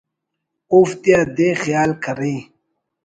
اوفتیا دے خیال کرے